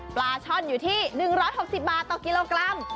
ปลาช่อนอยู่ที่๑๖๐บาทต่อกิโลกรัม